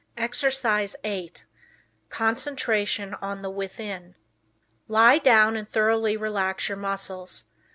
Exercise 8 Concentration on the Within. Lie down and thoroughly relax your muscles.